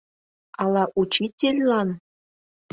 — Ала учительлан?